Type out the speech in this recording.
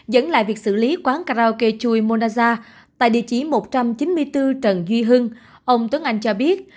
dẫn lại việc xử lý quán karaoke chui monaza tại địa chỉ một trăm chín mươi bốn trần duy hưng ông tuấn anh cho biết